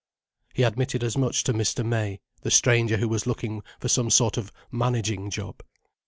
He admitted as much to Mr. May, the stranger who was looking for some sort of "managing" job.